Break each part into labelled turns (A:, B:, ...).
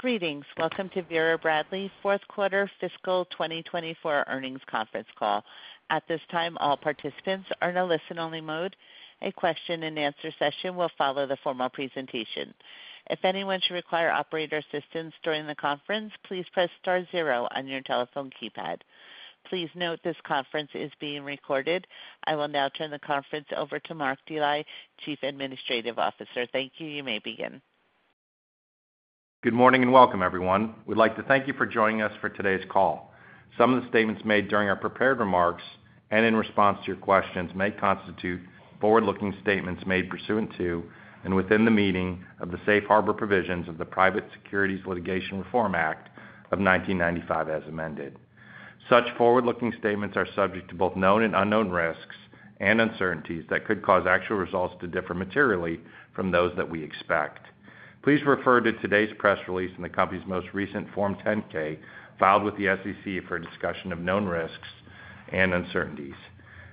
A: Greetings! Welcome to Vera Bradley's Q4 Fiscal 2024 Earnings Conference Call. At this time, all participants are in a listen-only mode. A question-and-answer session will follow the formal presentation. If anyone should require operator assistance during the conference, please press star zero on your telephone keypad. Please note, this conference is being recorded. I will now turn the conference over to Mark Dely, Chief Administrative Officer. Thank you. You may begin.
B: Good morning, and welcome, everyone. We'd like to thank you for joining us for today's call. Some of the statements made during our prepared remarks and in response to your questions may constitute forward-looking statements made pursuant to and within the meaning of the Safe Harbor Provisions of the Private Securities Litigation Reform Act of 1995, as amended. Such forward-looking statements are subject to both known and unknown risks and uncertainties that could cause actual results to differ materially from those that we expect. Please refer to today's press release and the company's most recent Form 10-K, filed with the SEC for a discussion of known risks and uncertainties.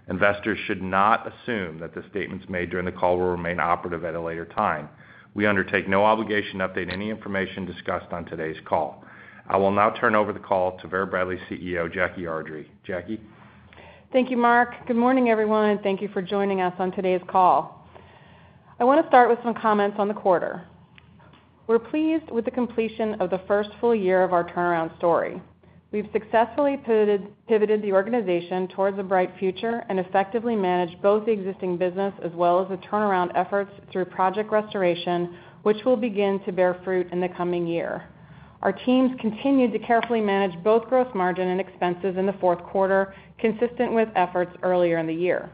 B: Investors should not assume that the statements made during the call will remain operative at a later time. We undertake no obligation to update any information discussed on today's call. I will now turn over the call to Vera Bradley CEO, Jackie Ardrey. Jackie?
C: Thank you, Mark. Good morning, everyone, and thank you for joining us on today's call. I want to start with some comments on the quarter. We're pleased with the completion of the first full year of our turnaround story. We've successfully pivoted the organization towards a bright future and effectively managed both the existing business as well as the turnaround efforts through Project Restoration, which will begin to bear fruit in the coming year. Our teams continued to carefully manage both gross margin and expenses inQ4, consistent with efforts earlier in the year.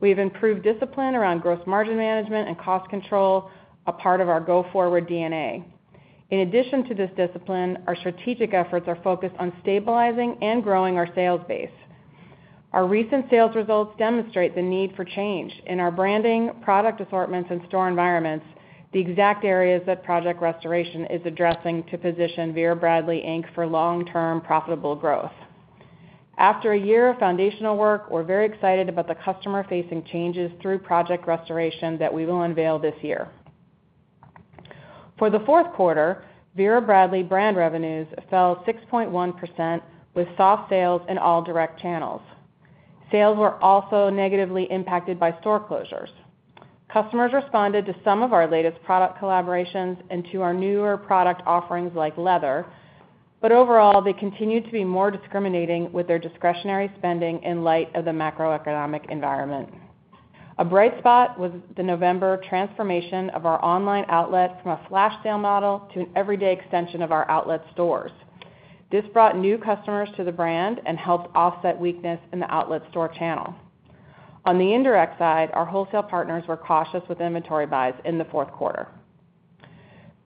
C: We've improved discipline around gross margin management and cost control, a part of our go-forward DNA. In addition to this discipline, our strategic efforts are focused on stabilizing and growing our sales base. Our recent sales results demonstrate the need for change in our branding, product assortments, and store environments, the exact areas that Project Restoration is addressing to position Vera Bradley, Inc., for long-term profitable growth. After a year of foundational work, we're very excited about the customer-facing changes through Project Restoration that we will unveil this year. ForQ4, Vera Bradley brand revenues fell 6.1%, with soft sales in all direct channels. Sales were also negatively impacted by store closures. Customers responded to some of our latest product collaborations and to our newer product offerings, like leather, but overall, they continued to be more discriminating with their discretionary spending in light of the macroeconomic environment. A bright spot was the November transformation of our online outlet from a flash sale model to an everyday extension of our outlet stores. This brought new customers to the brand and helped offset weakness in the outlet store channel. On the indirect side, our wholesale partners were cautious with inventory buys inQ4.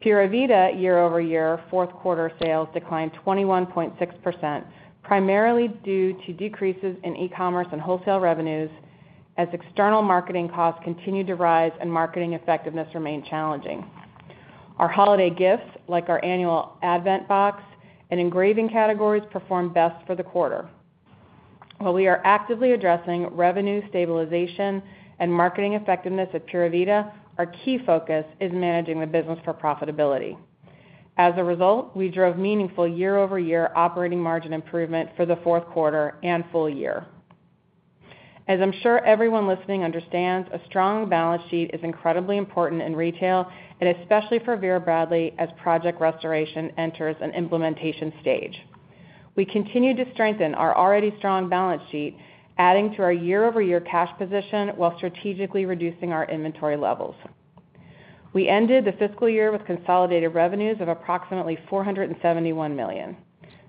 C: Pura Vida year-over-year, Q4 sales declined 21.6%, primarily due to decreases in e-commerce and wholesale revenues, as external marketing costs continued to rise and marketing effectiveness remained challenging. Our holiday gifts, like our annual Advent box and engraving categories, performed best for the quarter. While we are actively addressing revenue stabilization and marketing effectiveness at Pura Vida, our key focus is managing the business for profitability. As a result, we drove meaningful year-over-year operating margin improvement forQ4 and full year. As I'm sure everyone listening understands, a strong balance sheet is incredibly important in retail and especially for Vera Bradley as Project Restoration enters an implementation stage. We continue to strengthen our already strong balance sheet, adding to our year-over-year cash position while strategically reducing our inventory levels. We ended the fiscal year with consolidated revenues of approximately $471 million.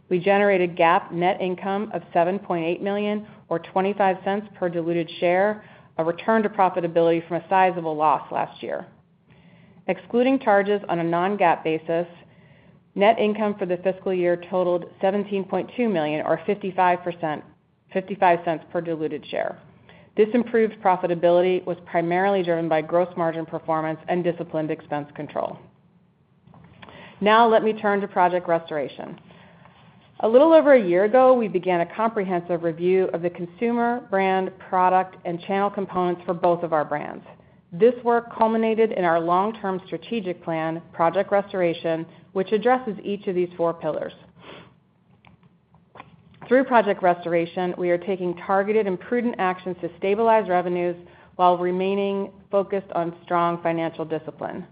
C: We generated GAAP net income of $7.8 million, or $0.25 per diluted share, a return to profitability from a sizable loss last year. Excluding charges on a non-GAAP basis, net income for the fiscal year totaled $17.2 million, or 55% to $0.55 per diluted share. This improved profitability was primarily driven by gross margin performance and disciplined expense control. Now let me turn to Project Restoration. A little over a year ago, we began a comprehensive review of the consumer, brand, product, and channel components for both of our brands. This work culminated in our long-term strategic plan, Project Restoration, which addresses each of these four pillars. Through Project Restoration, we are taking targeted and prudent actions to stabilize revenues while remaining focused on strong financial discipline.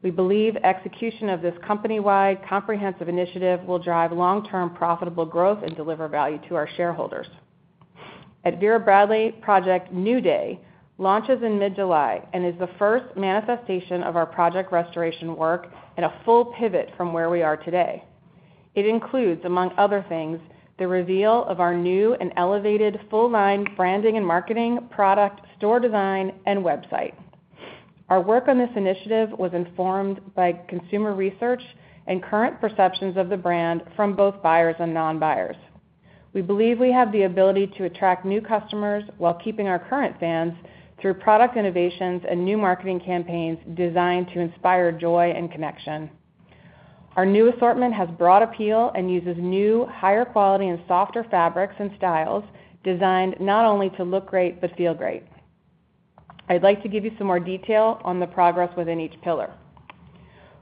C: We believe execution of this company-wide comprehensive initiative will drive long-term profitable growth and deliver value to our shareholders. At Vera Bradley, Project New Day launches in mid-July and is the first manifestation of our Project Restoration work and a full pivot from where we are today. It includes, among other things, the reveal of our new and elevated full-line branding and marketing, product, store design, and website. Our work on this initiative was informed by consumer research and current perceptions of the brand from both buyers and non-buyers. We believe we have the ability to attract new customers while keeping our current fans through product innovations and new marketing campaigns designed to inspire joy and connection. Our new assortment has broad appeal and uses new, higher quality and softer fabrics and styles designed not only to look great, but feel great. I'd like to give you some more detail on the progress within each pillar.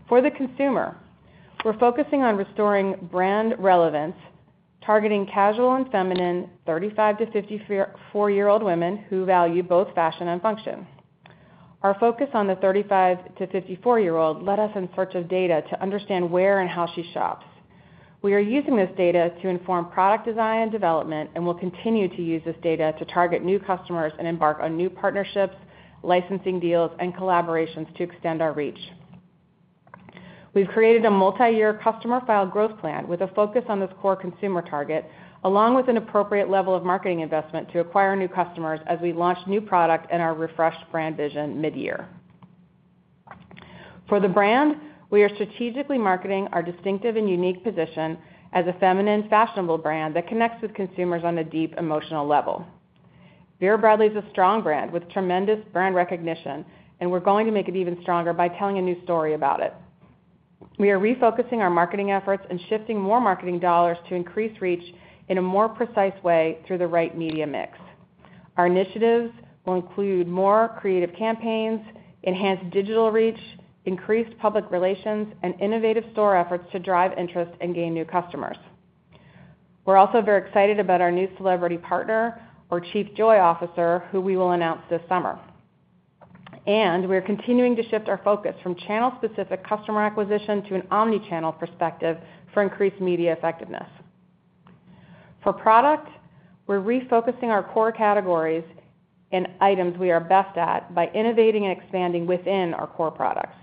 C: For the consumer, we're focusing on restoring brand relevance, targeting casual and feminine, 35 to 54-year-old women who value both fashion and function. Our focus on the 35 to 54-year-old led us in search of data to understand where and how she shops. We are using this data to inform product design and development, and we'll continue to use this data to target new customers and embark on new partnerships, licensing deals, and collaborations to extend our reach. We've created a multi-year customer file growth plan with a focus on this core consumer target, along with an appropriate level of marketing investment to acquire new customers as we launch new product and our refreshed brand vision mid-year. For the brand, we are strategically marketing our distinctive and unique position as a feminine, fashionable brand that connects with consumers on a deep emotional level. Vera Bradley is a strong brand with tremendous brand recognition, and we're going to make it even stronger by telling a new story about it. We are refocusing our marketing efforts and shifting more marketing dollars to increase reach in a more precise way through the right media mix. Our initiatives will include more creative campaigns, enhanced digital reach, increased public relations, and innovative store efforts to drive interest and gain new customers. We're also very excited about our new celebrity partner, or Chief Joy Officer, who we will announce this summer. We are continuing to shift our focus from channel-specific customer acquisition to an omni-channel perspective for increased media effectiveness. For product, we're refocusing our core categories in items we are best at by innovating and expanding within our core products.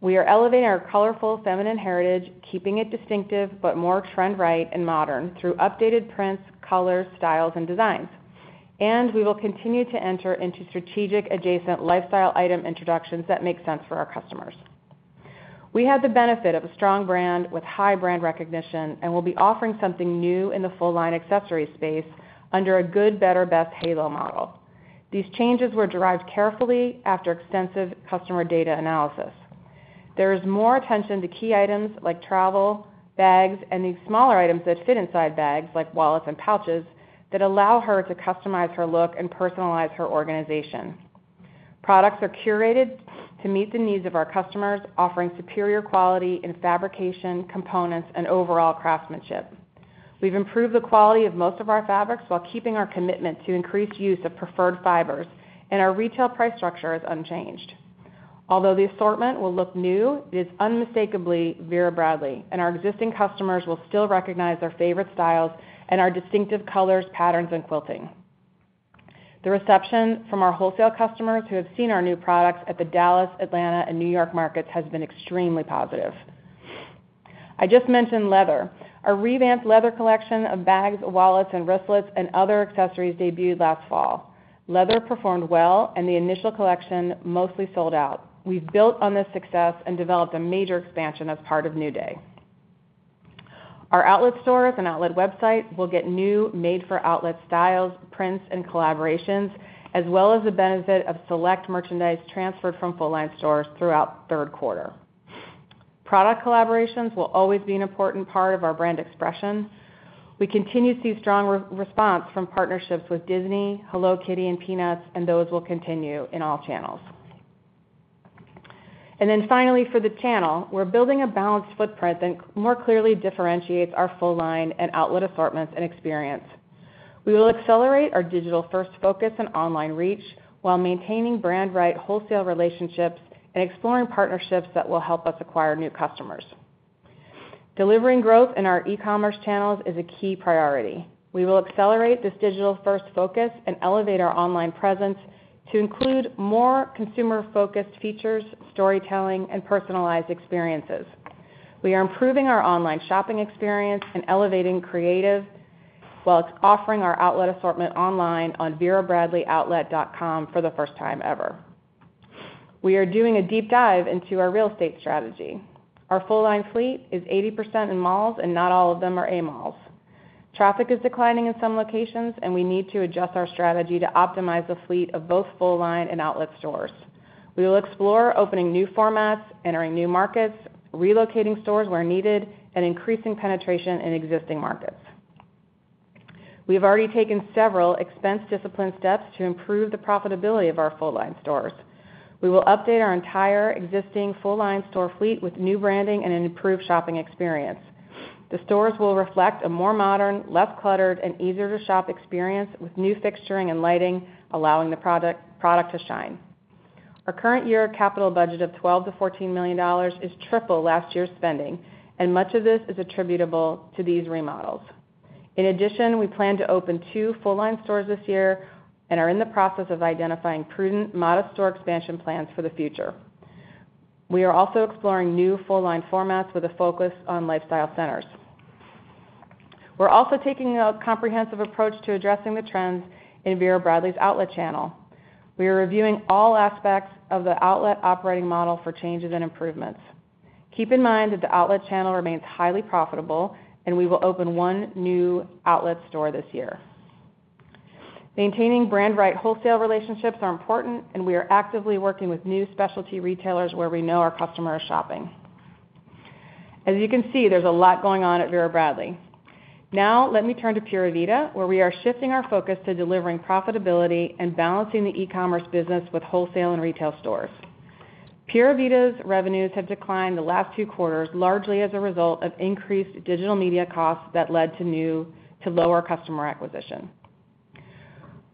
C: We are elevating our colorful, feminine heritage, keeping it distinctive, but more trend-right and modern through updated prints, colors, styles, and designs. We will continue to enter into strategic adjacent lifestyle item introductions that make sense for our customers. We have the benefit of a strong brand with high brand recognition, and we'll be offering something new in the full-line accessory space under a good, better, best halo model. These changes were derived carefully after extensive customer data analysis. There is more attention to key items like travel, bags, and these smaller items that fit inside bags, like wallets and pouches, that allow her to customize her look and personalize her organization. Products are curated to meet the needs of our customers, offering superior quality in fabrication, components, and overall craftsmanship. We've improved the quality of most of our fabrics while keeping our commitment to increased use of preferred fibers, and our retail price structure is unchanged. Although the assortment will look new, it is unmistakably Vera Bradley, and our existing customers will still recognize their favorite styles and our distinctive colors, patterns, and quilting. The reception from our wholesale customers who have seen our new products at the Dallas, Atlanta, and New York markets has been extremely positive. I just mentioned leather. Our revamped leather collection of bags, wallets, and wristlets and other accessories debuted last fall. Leather performed well, and the initial collection mostly sold out. We've built on this success and developed a major expansion as part of New Day. Our outlet stores and outlet website will get new made-for-outlet styles, prints, and collaborations, as well as the benefit of select merchandise transferred from full-line stores throughout the Q3. Product collaborations will always be an important part of our brand expression. We continue to see strong response from partnerships with Disney, Hello Kitty, and Peanuts, and those will continue in all channels. Finally, for the channel, we're building a balanced footprint that more clearly differentiates our full-line and outlet assortments and experience. We will accelerate our digital-first focus and online reach while maintaining brand right wholesale relationships and exploring partnerships that will help us acquire new customers. Delivering growth in our e-commerce channels is a key priority. We will accelerate this digital-first focus and elevate our online presence to include more consumer-focused features, storytelling, and personalized experiences. We are improving our online shopping experience and elevating creative, while offering our outlet assortment online on VeraBradleyOutlet.com for the first time ever. We are doing a deep dive into our real estate strategy. Our full-line fleet is 80% in malls, and not all of them are A malls. Traffic is declining in some locations, and we need to adjust our strategy to optimize the fleet of both full-line and outlet stores. We will explore opening new formats, entering new markets, relocating stores where needed, and increasing penetration in existing markets. We've already taken several expense discipline steps to improve the profitability of our full-line stores. We will update our entire existing full-line store fleet with new branding and an improved shopping experience. The stores will reflect a more modern, less cluttered, and easier-to-shop experience with new fixturing and lighting, allowing the product to shine. Our current year capital budget of $12 to 14 million is triple last year's spending, and much of this is attributable to these remodels. In addition, we plan to open 2 full-line stores this year and are in the process of identifying prudent, modest store expansion plans for the future. We are also exploring new full-line formats with a focus on lifestyle centers. We're also taking a comprehensive approach to addressing the trends in Vera Bradley's outlet channel. We are reviewing all aspects of the outlet operating model for changes and improvements. Keep in mind that the outlet channel remains highly profitable, and we will open one new outlet store this year. Maintaining brand-right wholesale relationships are important, and we are actively working with new specialty retailers where we know our customers are shopping. As you can see, there's a lot going on at Vera Bradley. Now, let me turn to Pura Vida, where we are shifting our focus to delivering profitability and balancing the e-commerce business with wholesale and retail stores. Pura Vida's revenues have declined the last two quarters, largely as a result of increased digital media costs that led to lower customer acquisition.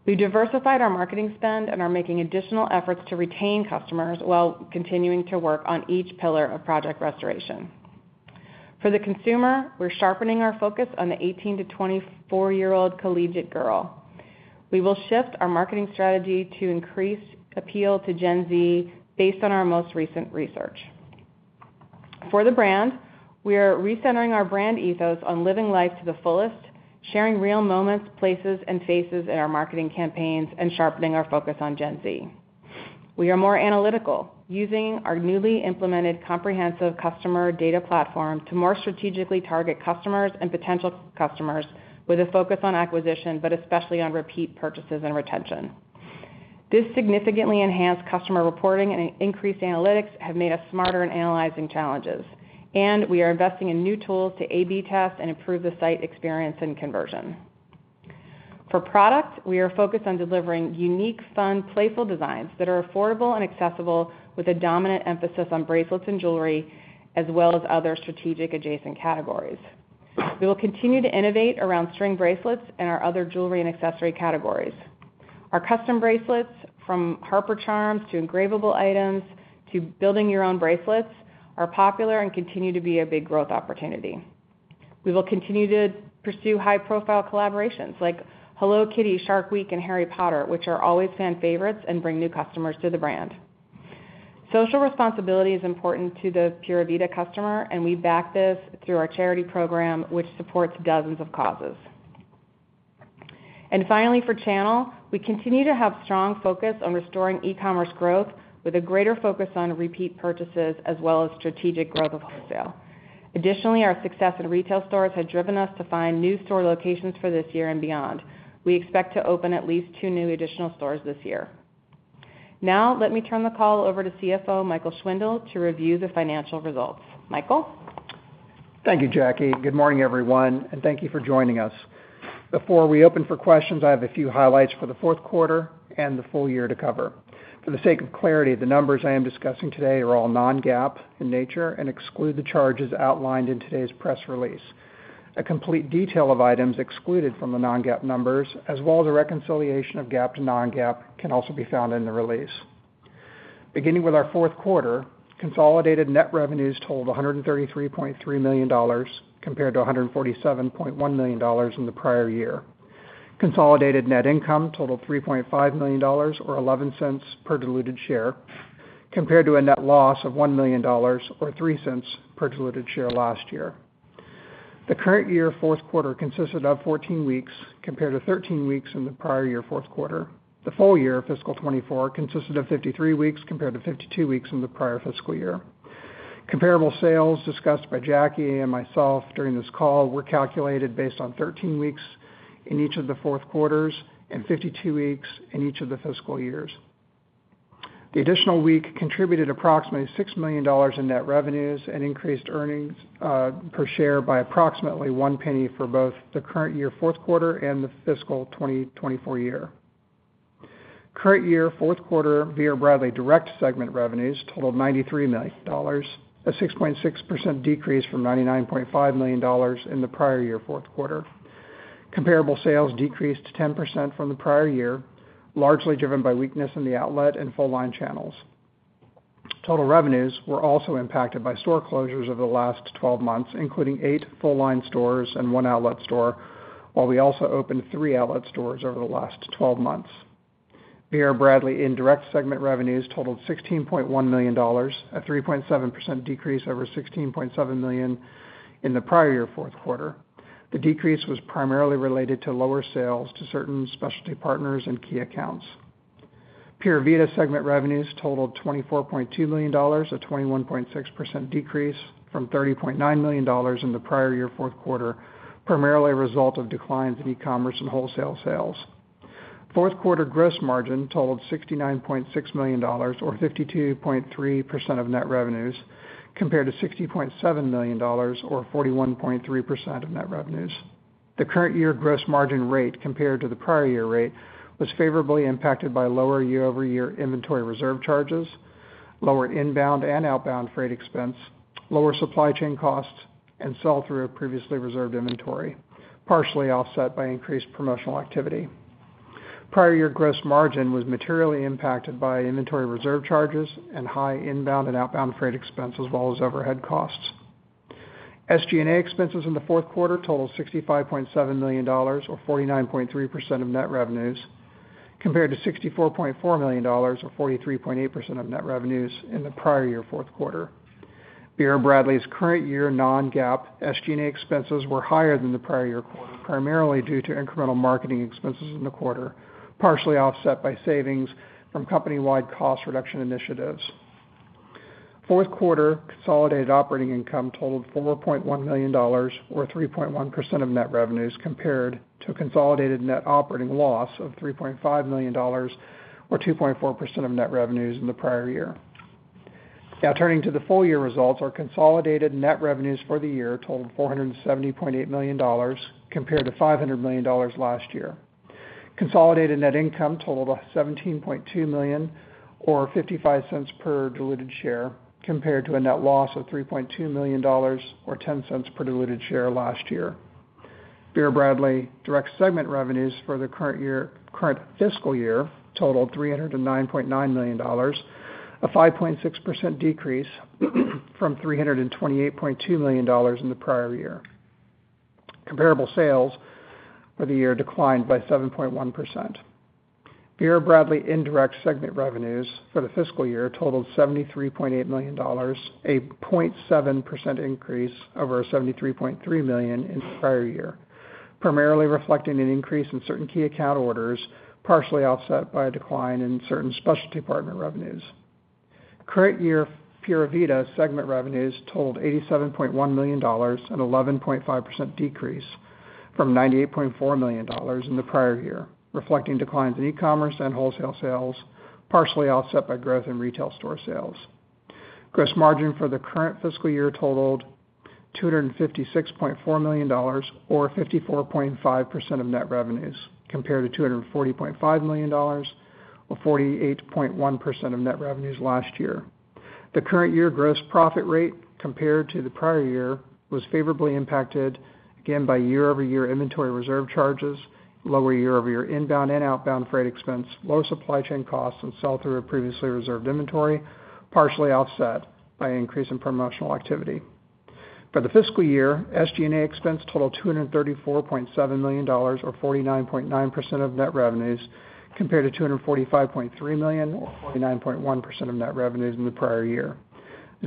C: We diversified our marketing spend and are making additional efforts to retain customers while continuing to work on each pillar of Project Restoration. For the consumer, we're sharpening our focus on the 18 to 24-year-old collegiate girl. We will shift our marketing strategy to increase appeal to Gen Z based on our most recent research. For the brand, we are recentering our brand ethos on living life to the fullest, sharing real moments, places, and faces in our marketing campaigns, and sharpening our focus on Gen Z. We are more analytical, using our newly implemented comprehensive customer data platform to more strategically target customers and potential customers with a focus on acquisition, but especially on repeat purchases and retention. This significantly enhanced customer reporting and increased analytics have made us smarter in analyzing challenges, and we are investing in new tools to A/B test and improve the site experience and conversion. For product, we are focused on delivering unique, fun, playful designs that are affordable and accessible, with a dominant emphasis on bracelets and jewelry, as well as other strategic adjacent categories. We will continue to innovate around string bracelets and our other jewelry and accessory categories. Our custom bracelets, from Harper Charms to engravable items to building your own bracelets, are popular and continue to be a big growth opportunity. We will continue to pursue high-profile collaborations like Hello Kitty, Shark Week, and Harry Potter, which are always fan favorites and bring new customers to the brand. Social responsibility is important to the Pura Vida customer, and we back this through our charity program, which supports dozens of causes. Finally, for channel, we continue to have strong focus on restoring e-commerce growth with a greater focus on repeat purchases as well as strategic growth of wholesale. Additionally, our success in retail stores has driven us to find new store locations for this year and beyond. We expect to open at least two new additional stores this year. Now, let me turn the call over to CFO Michael Schwindle to review the financial results. Michael?
D: Thank you, Jackie. Good morning, everyone, and thank you for joining us. Before we open for questions, I have a few highlights forQ4 and the full year to cover. For the sake of clarity, the numbers I am discussing today are all non-GAAP in nature and exclude the charges outlined in today's press release. A complete detail of items excluded from the non-GAAP numbers, as well as a reconciliation of GAAP to non-GAAP, can also be found in the release. Beginning with our Q4, consolidated net revenues totaled $133.3 million, compared to $147.1 million in the prior year. Consolidated net income totaled $3.5 million, or $0.11 per diluted share, compared to a net loss of $1 million, or $0.03 per diluted share last year. The current year Q4 consisted of 14 weeks, compared to 13 weeks in the prior year Q4. The full year, fiscal 2024, consisted of 53 weeks, compared to 52 weeks in the prior fiscal year. Comparable sales discussed by Jackie and myself during this call were calculated based on 13 weeks in each of Q4 and 52 weeks in each of the fiscal years. The additional week contributed approximately $6 million in net revenues and increased earnings per share by approximately $0.01 for both the current year Q4 and the fiscal 2024 year. Current year Q4, Vera Bradley direct segment revenues totaled $93 million, a 6.6% decrease from $99.5 million in the prior year Q4. Comparable sales decreased 10% from the prior year, largely driven by weakness in the outlet and full-line channels. Total revenues were also impacted by store closures over the last 12 months, including eight full-line stores and one outlet store, while we also opened three outlet stores over the last 12 months. Vera Bradley indirect segment revenues totaled $16.1million, a 3.7% decrease over $16.7 million in the prior year Q4. The decrease was primarily related to lower sales to certain specialty partners and key accounts. Pura Vida segment revenues totaled $24.2 million, a 21.6% decrease from $30.9 million in the prior year Q4, primarily a result of declines in e-commerce and wholesale sales. Q4 gross margin totaled $69.6 million, or 52.3% of net revenues, compared to $60.7 million, or 41.3% of net revenues. The current year gross margin rate compared to the prior year rate was favorably impacted by lower year-over-year inventory reserve charges, lower inbound and outbound freight expense, lower supply chain costs, and sell-through of previously reserved inventory, partially offset by increased promotional activity. Prior year gross margin was materially impacted by inventory reserve charges and high inbound and outbound freight expense, as well as overhead costs. SG&A expenses inQ4 totaled $65.7 million, or 49.3% of net revenues, compared to $64.4 million, or 43.8% of net revenues in the prior year Q4. Vera Bradley's current year non-GAAP SG&A expenses were higher than the prior year quarter, primarily due to incremental marketing expenses in the quarter, partially offset by savings from company-wide cost reduction initiatives. Q4 consolidated operating income totaled $4.1 million, or 3.1% of net revenues, compared to a consolidated net operating loss of $3.5 million, or 2.4% of net revenues in the prior year. Now turning to the full year results, our consolidated net revenues for the year totaled $470.8 million, compared to $500 million last year. Consolidated net income totaled $17.2 million, or $0.55 per diluted share, compared to a net loss of $3.2 million, or $0.10 per diluted share last year. Vera Bradley direct segment revenues for the current year, current fiscal year totaled $309.9 million, a 5.6% decrease from $328.2 million in the prior year. Comparable sales for the year declined by 7.1%. Vera Bradley indirect segment revenues for the fiscal year totaled $73.8 million, a 0.7% increase over $73.3 million in the prior year, primarily reflecting an increase in certain key account orders, partially offset by a decline in certain specialty partner revenues. Current year Pura Vida segment revenues totaled $87.1 million, an 11.5% decrease from $98.4 million in the prior year, reflecting declines in e-commerce and wholesale sales, partially offset by growth in retail store sales. Gross margin for the current fiscal year totaled $256.4 million, or 54.5% of net revenues, compared to $240.5 million, or 48.1% of net revenues last year. The current year gross profit rate, compared to the prior year, was favorably impacted again by year-over-year inventory reserve charges, lower year-over-year inbound and outbound freight expense, lower supply chain costs, and sell-through of previously reserved inventory, partially offset by an increase in promotional activity. For the fiscal year, SG&A expense totaled $234.7 million, or 49.9% of net revenues, compared to $245.3 million, or 49.1% of net revenues in the prior year.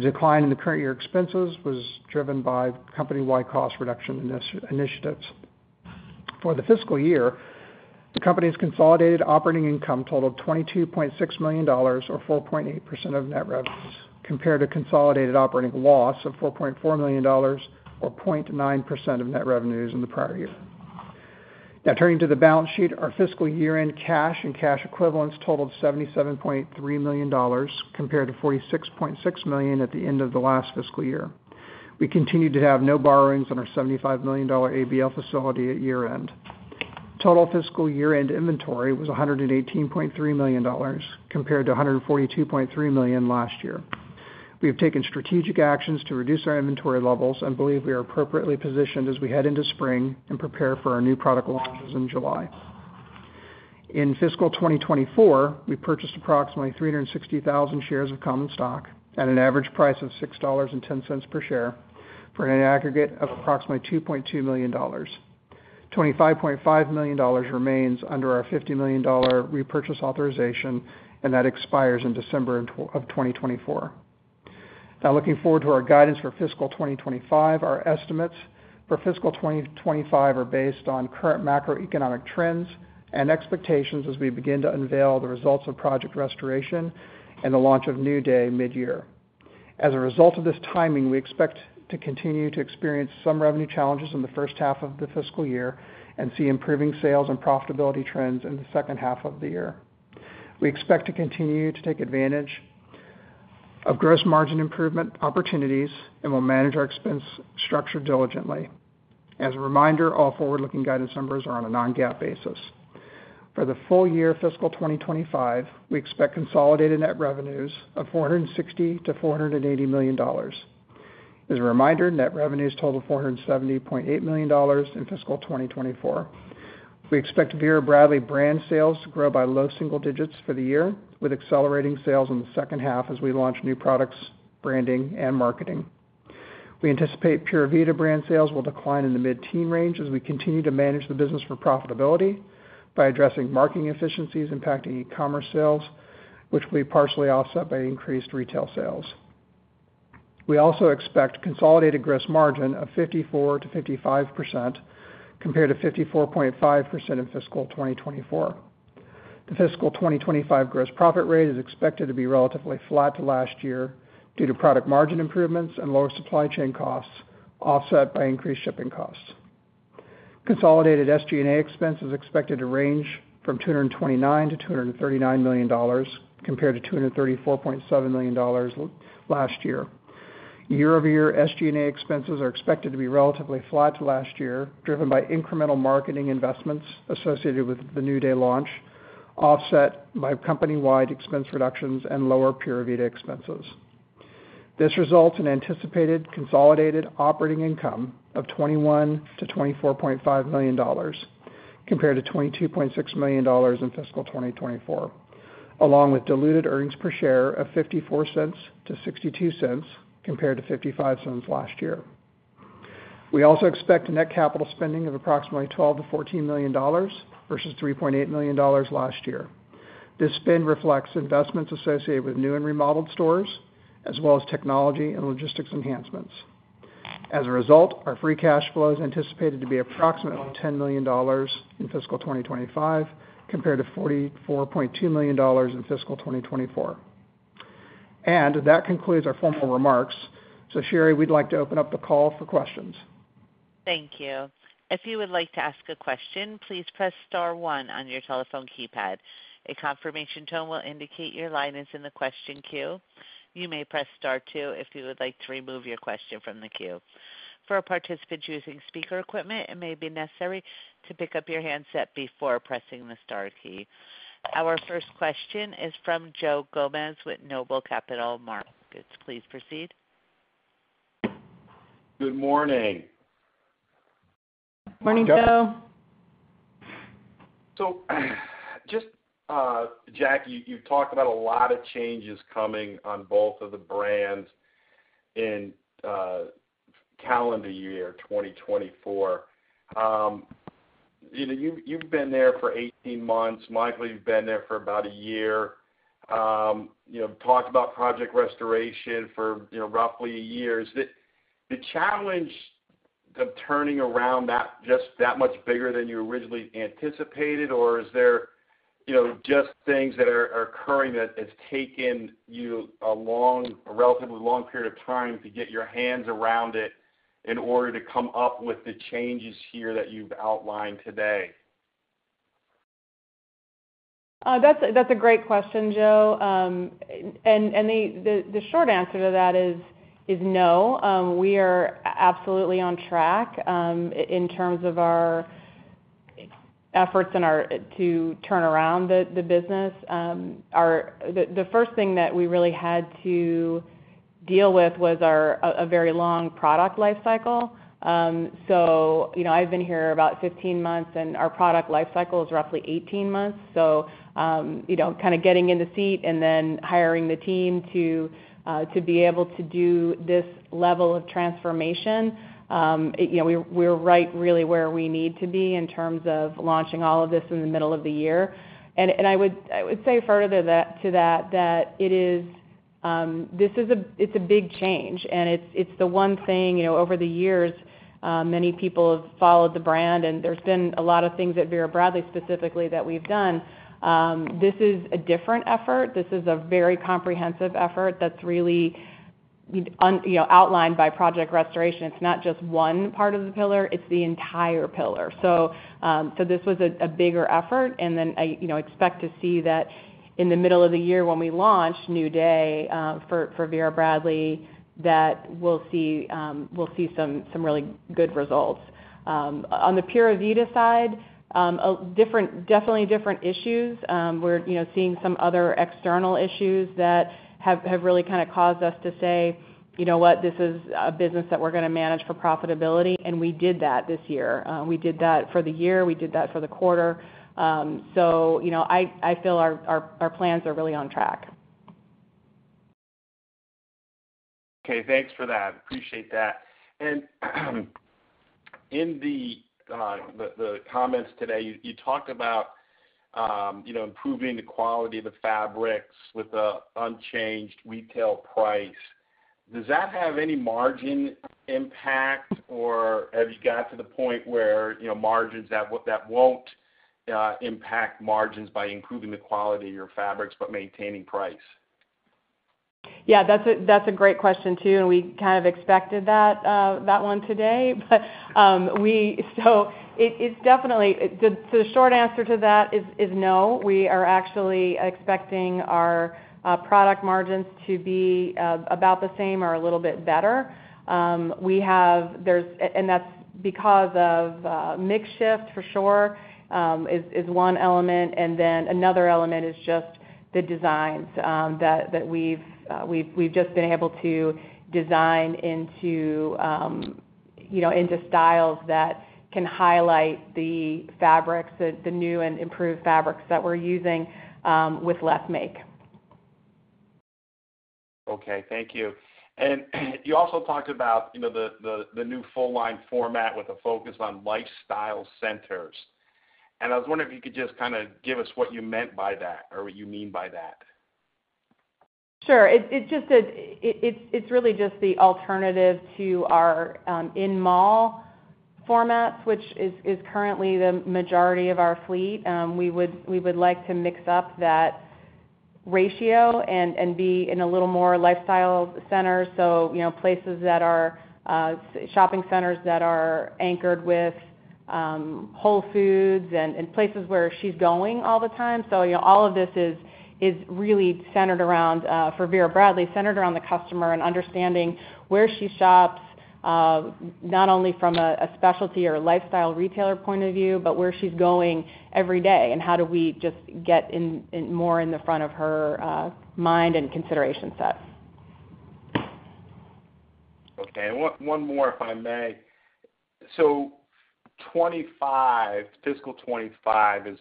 D: The decline in the current year expenses was driven by company-wide cost reduction initiatives. For the fiscal year, the company's consolidated operating income totaled $22.6 million, or 4.8% of net revenues, compared to consolidated operating loss of $4.4 million, or 0.9% of net revenues in the prior year. Now turning to the balance sheet. Our fiscal year-end cash and cash equivalents totaled $77.3 million, compared to $46.6 million at the end of the last fiscal year. We continued to have no borrowings on our $75 million ABL facility at year-end. Total fiscal year-end inventory was $118.3 million, compared to $142.3 million last year. We have taken strategic actions to reduce our inventory levels and believe we are appropriately positioned as we head into spring and prepare for our new product launches in July. In fiscal 2024, we purchased approximately 360,000 shares of common stock at an average price of $6.10 per share, for an aggregate of approximately $2.2 million. $25.5 million remains under our $50 million repurchase authorization, and that expires in December 2024. Now, looking forward to our guidance for fiscal 2025, our estimates for fiscal 2025 are based on current macroeconomic trends and expectations as we begin to unveil the results of Project Restoration and the launch of New Day mid-year. As a result of this timing, we expect to continue to experience some revenue challenges in the first half of the fiscal year and see improving sales and profitability trends in the second half of the year. We expect to continue to take advantage of gross margin improvement opportunities, and we'll manage our expense structure diligently. As a reminder, all forward-looking guidance numbers are on a Non-GAAP basis. For the full year fiscal 2025, we expect consolidated net revenues of $460 to 480 million. As a reminder, net revenues totaled $470.8 million in fiscal 2024. We expect Vera Bradley brand sales to grow by low single digits for the year, with accelerating sales in the second half as we launch new products, branding, and marketing. We anticipate Pura Vida brand sales will decline in the mid-teen range as we continue to manage the business for profitability by addressing marketing efficiencies impacting e-commerce sales, which will be partially offset by increased retail sales. We also expect consolidated gross margin of 54% to 55%, compared to 54.5% in fiscal 2024. The fiscal 2025 gross profit rate is expected to be relatively flat to last year due to product margin improvements and lower supply chain costs, offset by increased shipping costs. Consolidated SG&A expense is expected to range from $229 to 239 million, compared to $234.7 million last year. Year-over-year SG&A expenses are expected to be relatively flat to last year, driven by incremental marketing investments associated with the New Day launch, offset by company-wide expense reductions and lower Pura Vida expenses. This results in anticipated consolidated operating income of $21 to 24.5 million, compared to $22.6 million in Fiscal 2024, along with diluted earnings per share of $0.54 to 0.62, compared to $0.55 last year. We also expect net capital spending of approximately $12 to 14 million versus $3.8 million last year. This spend reflects investments associated with new and remodeled stores, as well as technology and logistics enhancements. As a result, our free cash flow is anticipated to be approximately $10 million in fiscal 2025, compared to $44.2 million in fiscal 2024. That concludes our formal remarks. Sherry, we'd like to open up the call for questions.
A: Thank you. If you would like to ask a question, please press star one on your telephone keypad. A confirmation tone will indicate your line is in the question queue. You may press star two if you would like to remove your question from the queue. For participants using speaker equipment, it may be necessary to pick up your handset before pressing the star key. Our first question is from Joe Gomes with Noble Capital Markets. Please proceed.
E: Good morning.
C: Morning, Joe.
E: Just, Jackie, you've talked about a lot of changes coming on both of the brands in calendar year 2024. You know, you've, you've been there for 18 months. Michael, you've been there for about a year. You know, talked about Project Restoration for, you know, roughly a year. Is the, the challenge of turning around that, just that much bigger than you originally anticipated, or is there, you know, just things that are, are occurring that has taken you a relatively long period of time to get your hands around it in order to come up with the changes here that you've outlined today?
C: That's a great question, Joe. The short answer to that is no. We are absolutely on track in terms of our efforts to turn around the business. The first thing that we really had to deal with was a very long product life cycle. You know, I've been here about 15 months, and our product life cycle is roughly 18 months. You know, kind of getting in the seat and then hiring the team to be able to do this level of transformation, you know, we're really where we need to be in terms of launching all of this in the middle of the year. I would say further to that, it is, this is a, it's a big change, and it's the one thing, you know, over the years, many people have followed the brand, and there's been a lot of things at Vera Bradley, specifically, that we've done. This is a different effort. This is a very comprehensive effort that's really, you know, outlined by Project Restoration. It's not just one part of the pillar, it's the entire pillar. This was a bigger effort, and then I, you know, expect to see that in the middle of the year when we launch New Day for Vera Bradley, that we'll see some really good results. On the Pura Vida side, a different, definitely different issues. We're, you know, seeing some other external issues that have really kind of caused us to say, "You know what? This is a business that we're going to manage for profitability." We did that this year. We did that for the year, we did that for the quarter. You know, I feel our plans are really on track.
E: Okay, thanks for that. Appreciate that. In the comments today, you talked about, you know, improving the quality of the fabrics with the unchanged retail price. Does that have any margin impact, or have you got to the point where, you know, margins that won't impact margins by improving the quality of your fabrics but maintaining price?
C: That's a great question, too, and we kind of expected that one today. It, it's definitely. The short answer to that is no. We are actually expecting our product margins to be about the same or a little bit better. That's because of mix shift, for sure, is one element, and then another element is just the designs that we've just been able to design into, you know, into styles that can highlight the fabrics, the new and improved fabrics that we're using with less make.
E: Okay, thank you. You also talked about, you know, the new full-line format with a focus on lifestyle centers. I was wondering if you could just kind of give us what you meant by that or what you mean by that.
C: It's really just the alternative to our in-mall formats, which is currently the majority of our fleet. We would like to mix up that ratio and be in a little more lifestyle center. You know, places that are shopping centers that are anchored with Whole Foods and places where she's going all the time. You know, all of this is really centered around, for Vera Bradley, centered around the customer and understanding where she shops, not only from a specialty or a lifestyle retailer point of view, but where she's going every day, and how do we just get in more in the front of her mind and consideration set.
E: Okay, one more, if I may. 2025, fiscal 2025 is,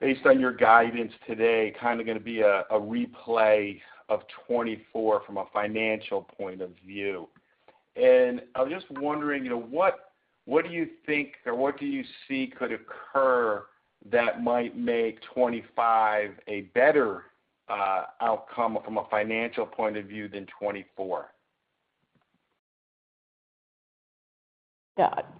E: based on your guidance today, kind of going to be a replay of 2024 from a financial point of view. I was just wondering, you know, what do you think or what do you see could occur that might make 2025 a better outcome from a financial point of view than 2024?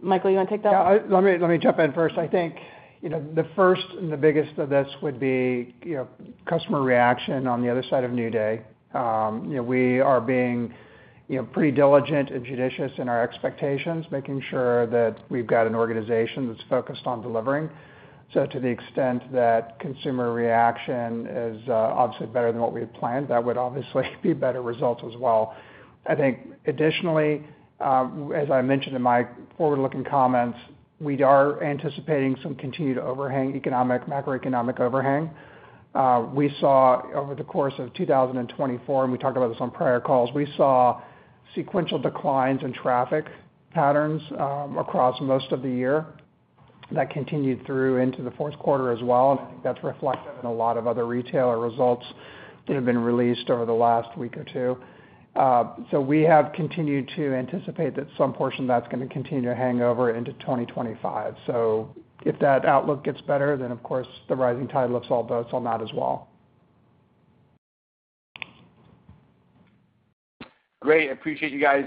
C: Michael, you want to take that?
D: Let me jump in first. I think, you know, the first and the biggest of this would be, you know, customer reaction on the other side of New Day. You know, we are being you know, pretty diligent and judicious in our expectations, making sure that we've got an organization that's focused on delivering. To the extent that consumer reaction is, obviously better than what we had planned, that would obviously be better results as well. I think additionally, as I mentioned in my forward-looking comments, we are anticipating some continued overhang, economic macroeconomic overhang. We saw over the course of 2024, and we talked about this on prior calls, we saw sequential declines in traffic patterns, across most of the year. That continued through intoQ4 as well, and I think that's reflected in a lot of other retailer results that have been released over the last week or two. We have continued to anticipate that some portion of that's gonna continue to hang over into 2025. So if that outlook gets better, then, of course, the rising tide lifts all boats on that as well.
E: Great. I appreciate you guys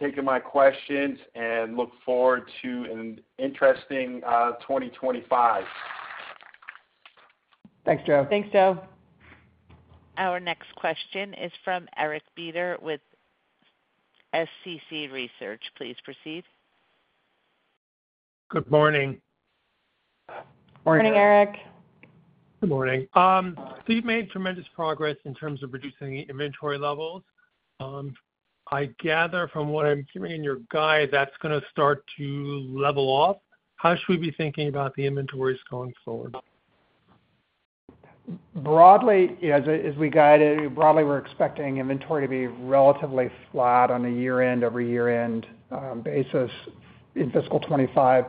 E: taking my questions, and look forward to an interesting 2025.
D: Thanks, Joe.
C: Thanks, Joe.
A: Our next question is from Eric Beder with SCC Research. Please proceed.
F: Good morning.
D: Morning.
C: Morning, Eric.
F: Good morning. You've made tremendous progress in terms of reducing the inventory levels. I gather from what I'm hearing in your guide, that's gonna start to level off. How should we be thinking about the inventories going forward?
D: Broadly, as we guided, broadly, we're expecting inventory to be relatively flat on a year-end, over year-end, basis in fiscal 2025.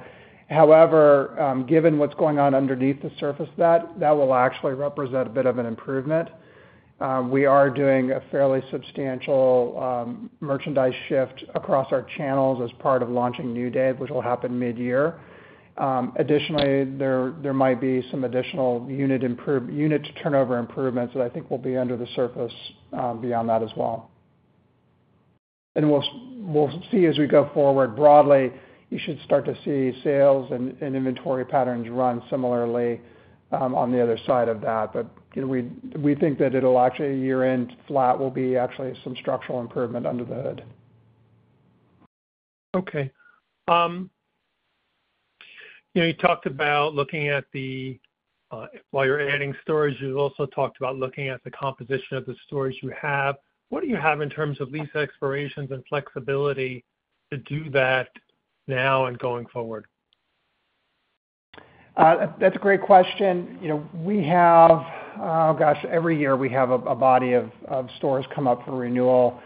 D: However, given what's going on underneath the surface of that, that will actually represent a bit of an improvement. We are doing a fairly substantial merchandise shift across our channels as part of launching New Day, which will happen mid-year. Additionally, there might be some additional unit turnover improvements that I think will be under the surface, beyond that as well. We'll see as we go forward, broadly, you should start to see sales and inventory patterns run similarly, on the other side of that. But, you know, we think that it'll actually, year-end flat will be actually some structural improvement under the hood.
F: Okay. You know, you talked about looking at the, while you're adding stores, you also talked about looking at the composition of the stores you have. What do you have in terms of lease expirations and flexibility to do that now and going forward?
D: That's a great question. You know, we have. Oh, gosh, every year, we have a body of stores come up for renewal.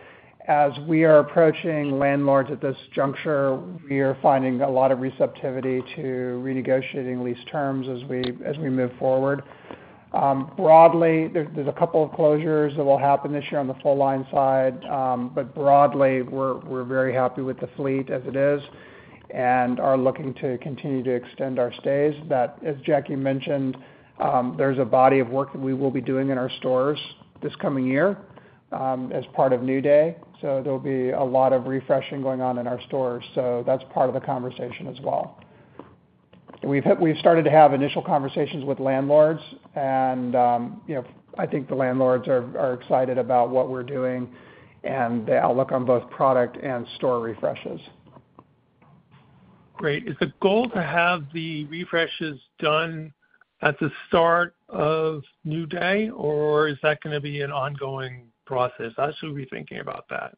D: As we are approaching landlords at this juncture, we are finding a lot of receptivity to renegotiating lease terms as we move forward. Broadly, there's a couple of closures that will happen this year on the full line side, but broadly, we're very happy with the fleet as it is and are looking to continue to extend our stays. That, as Jackie mentioned, there's a body of work that we will be doing in our stores this coming year, as part of New Day, so there'll be a lot of refreshing going on in our stores. That's part of the conversation as well. We've started to have initial conversations with landlords, and, you know, I think the landlords are excited about what we're doing and the outlook on both product and store refreshes.
F: Great. Is the goal to have the refreshes done at the start of New Day, or is that gonna be an ongoing process? How should we be thinking about that?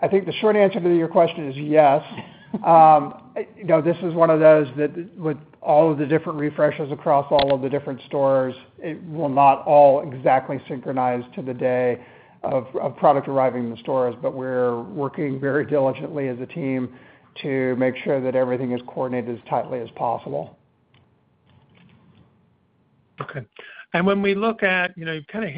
D: I think the short answer to your question is yes. You know, this is one of those that with all of the different refreshes across all of the different stores, it will not all exactly synchronize to the day of product arriving in the stores, but we're working very diligently as a team to make sure that everything is coordinated as tightly as possible.
F: Okay. When we look at. You know, you've kind of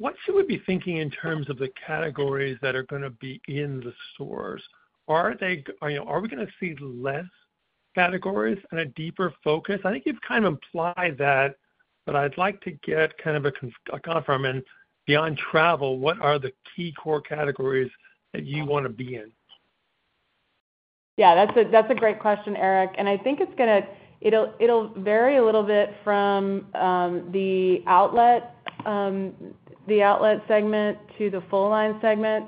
F: hinted around this. What should we be thinking in terms of the categories that are gonna be in the stores? Are they you know, are we gonna see less categories and a deeper focus? I think you've kind of implied that, but I'd like to get kind of a confirmation, and beyond travel, what are the key core categories that you want to be in?
C: That's a great question, Eric, and I think it's going to it'll vary a little bit from the outlet segment to the full-line segment.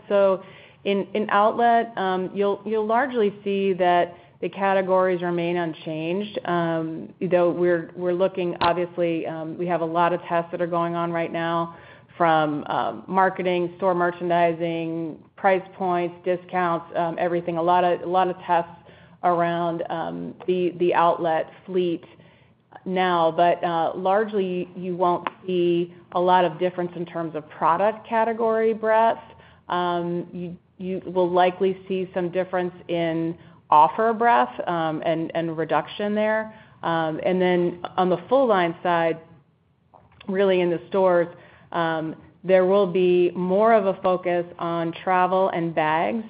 C: In outlet, you'll largely see that the categories remain unchanged. Though we're looking, obviously, we have a lot of tests that are going on right now from marketing, store merchandising, price points, discounts, everything, a lot of tests around the outlet fleet now. Largely, you won't see a lot of difference in terms of product category breadth. You will likely see some difference in offer breadth, and reduction there. On the full-line side, really in the stores, there will be more of a focus on travel and bags.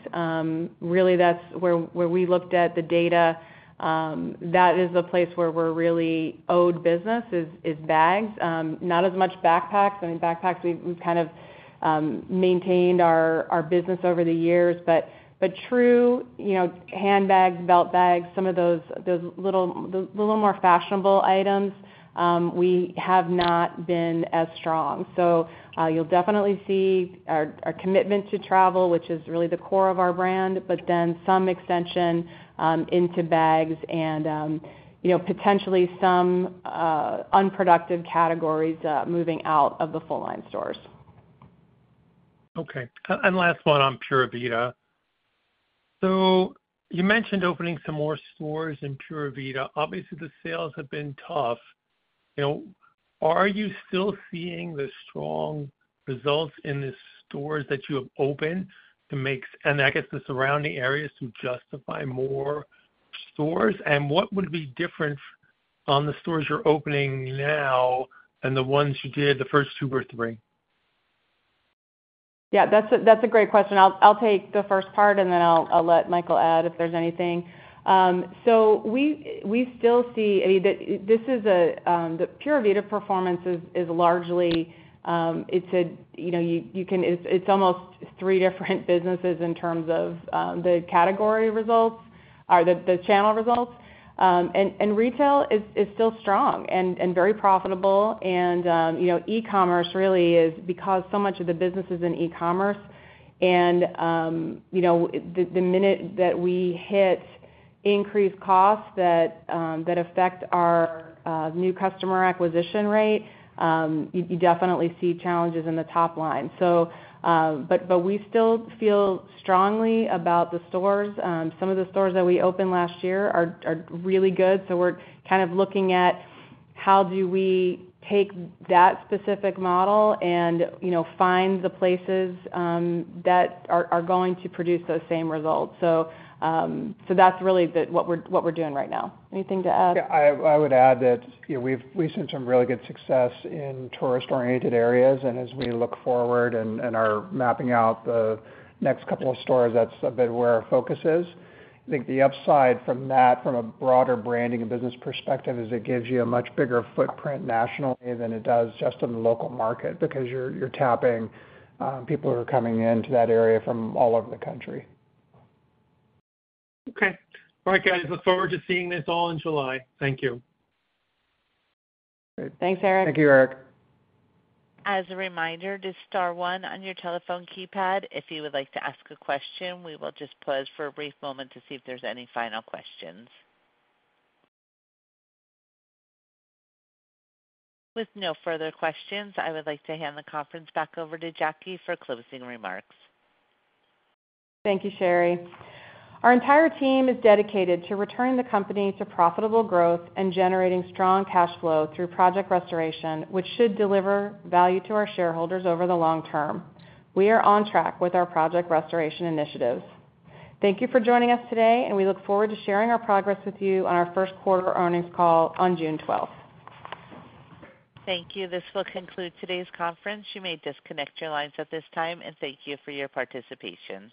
C: Really, that's where, where we looked at the data, that is the place where we're really own the business, is, is bags. Not as much backpacks. Backpacks, we've, we've kind of, maintained our, our business over the years. But, but true, you know, handbags, belt bags, some of those, those little, the little more fashionable items, we have not been as strong. You'll definitely see our, our commitment to travel, which is really the core of our brand, but then some extension, into bags and, you know, potentially some, unproductive categories, moving out of the full-line stores.
F: Okay. Last one on Pura Vida. You mentioned opening some more stores in Pura Vida. Obviously, the sales have been tough. You know, are you still seeing the strong results in the stores that you have opened to make, and I guess, the surrounding areas to justify more stores? What would be different on the stores you're opening now than the ones you did the first two or three?
C: That's a great question. I'll take the first part, and then I'll let Michael add if there's anything. We still see, I mean, the Pura Vida performance is largely, you know, it's almost three different businesses in terms of the category results or the channel results. Retail is still strong and very profitable. You know, e-commerce really is because so much of the business is in e-commerce. You know, the minute that we hit increased costs that affect our new customer acquisition rate, you definitely see challenges in the top line. We still feel strongly about the stores. Some of the stores that we opened last year are really good, so we're kind of looking at how do we take that specific model and, you know, find the places that are going to produce those same results. That's really what we're doing right now. Anything to add?
D: I would add that, you know, we've seen some really good success in tourist-oriented areas. As we look forward and are mapping out the next couple of stores, that's a bit where our focus is. I think the upside from that, from a broader branding and business perspective, is it gives you a much bigger footprint nationally than it does just in the local market, because you're tapping people who are coming into that area from all over the country.
F: Okay. All right, guys, look forward to seeing this all in July. Thank you.
C: Thanks, Eric.
D: Thank you, Eric.
A: As a reminder, just star one on your telephone keypad if you would like to ask a question. We will just pause for a brief moment to see if there's any final questions. With no further questions, I would like to hand the conference back over to Jackie for closing remarks.
C: Thank you, Sherry. Our entire team is dedicated to returning the company to profitable growth and generating strong cash flow through Project Restoration, which should deliver value to our shareholders over the long term. We are on track with our Project Restoration initiatives. Thank you for joining us today, and we look forward to sharing our progress with you on our Q1 earnings call on 12 June.
A: Thank you. This will conclude today's conference. You may disconnect your lines at this time, and thank you for your participation.